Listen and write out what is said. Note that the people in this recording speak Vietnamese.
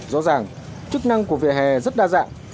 rõ ràng chức năng của vỉa hè rất đa dạng